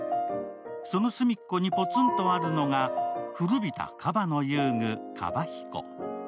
その隅っこにポツンとあるのが古びたカバの遊具・カバヒコ。